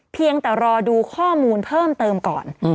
เพียงแต่รอดูข้อมูลเพิ่มเติมก่อน